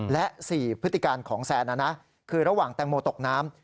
และ๔พฤติการของแซนคือระหว่างแตงโมตกน้ำ